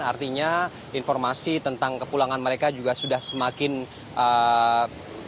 artinya informasi tentang kepulangan mereka juga sudah semakin banyak